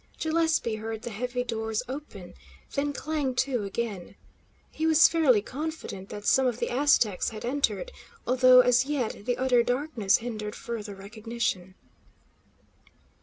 Gillespie heard the heavy doors open, then clang to again. He was fairly confident that some of the Aztecs had entered, although as yet the utter darkness hindered further recognition.